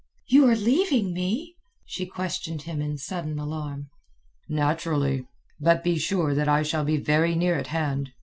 "You are leaving me?" she questioned him in sudden alarm. "Naturally. But be sure that I shall be very near at hand.